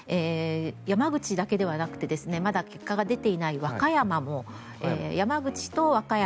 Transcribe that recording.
山口だけではなくてまだ結果が出ていない和歌山も山口と和歌山